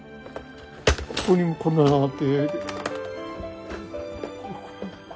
ここにこんなのがあって。